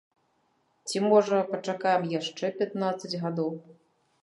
Ці, можа, пачакаем яшчэ пятнаццаць гадоў?